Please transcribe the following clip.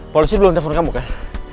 polisi belum telpon kamu kan